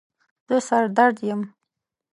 زه سر درد یم